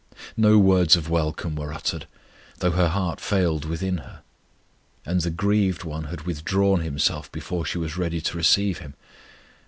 No words of welcome were uttered, though her heart failed within her; and the grieved One had withdrawn Himself before she was ready to receive Him.